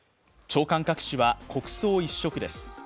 朝刊各紙は国葬一色です。